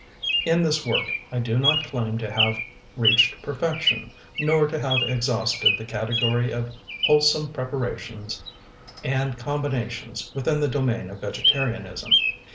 In this work I do not claim to have reached perfection, nor to have exhausted the category of wholesome preparations and combinations within the domain of vegetarianism.